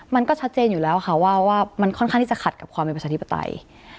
มันก็ชัดเจนอยู่แล้วค่ะว่ามันค่อนข้างที่จะขัดกับความเป็นประชาธิปไตย